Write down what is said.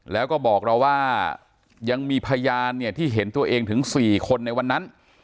แล้วก็บอกเราว่ายังมีพยานเนี่ยที่เห็นตัวเองถึง๔คนในวันนั้น